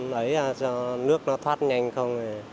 đấy là cho nước nó thoát nhanh không